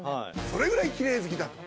それぐらいきれい好きだと。